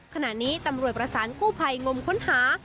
ขณะนี้ตำรวจประสานกู้ภัยงมค้นหา